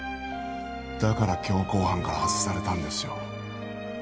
だから強行犯から外されたんですよ